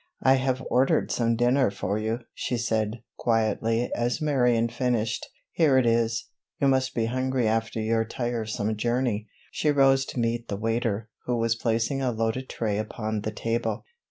"I have ordered some dinner for you," she said, quietly, as Marion finished. "Here it is; you must be hungry after your tiresome journey." She rose to meet the waiter, who was placing a loaded tray upon the table.